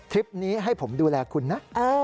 คลิปนี้ให้ผมดูแลคุณนะ